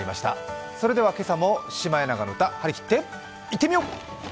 それでは今朝も「シマエナガの歌」はりきっていってみよう！